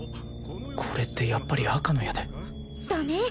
これってやっぱり赤の矢でだね